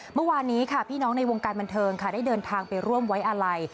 เมื่อวานี้พี่น้องในวงการบันเทิงได้เดินทางไปร่วมไว้อะไร